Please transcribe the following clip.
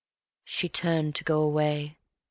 ." she turned to go away .